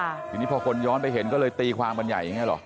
ทีนี้พอคนย้อนไปเห็นก็เลยตีความกันใหญ่อย่างนี้หรอ